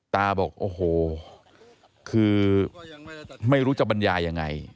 ตาบอกโอ้โหคือไม่รู้จะบรรยายยังไง